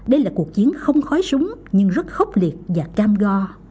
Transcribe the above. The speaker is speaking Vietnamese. đây là cuộc chiến không khói súng nhưng rất khốc liệt và cam go